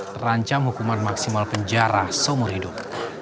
terancam hukuman maksimal penjara seumur hidup